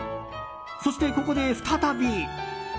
そして、ここで再び。